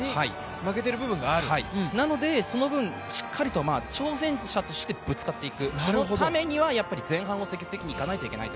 なのでその分、しっかりと挑戦者としてぶつかっていく、そのためには、やっぱり前半を積極的にいかないといけない。